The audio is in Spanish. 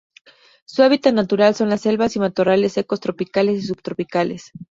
Su hábitat natural son las selvas y matorrales secos tropicales y subtropicales.